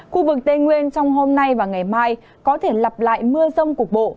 khu vực tây nguyên trong hôm nay và ngày mai có thể lặp lại mưa rông cục bộ